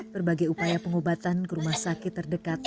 berbagai upaya pengobatan ke rumah sakit terdekat